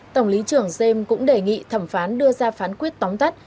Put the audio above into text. tổng lý trưởng james cũng đề nghị thẩm phán đưa ra phán quyết tóm tắt